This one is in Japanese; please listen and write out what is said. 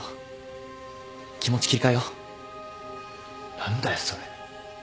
何だよそれ。